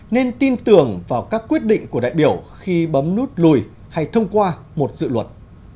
nên tin tưởng vào các quyết định của đại biểu khi bấm nút lùi hay thông qua một dự luật